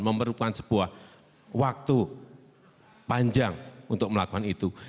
memerlukan sebuah waktu panjang untuk melakukan itu